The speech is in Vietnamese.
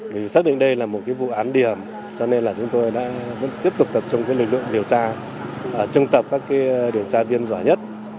vì xác định đây là một vụ án điểm cho nên là chúng tôi đã tiếp tục tập trung lực lượng điều tra trưng tập các điều tra viên giỏi nhất